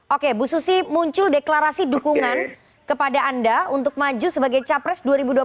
oke bu susi muncul deklarasi dukungan kepada anda untuk maju sebagai capres dua ribu dua puluh